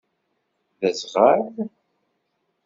D aẓɣal.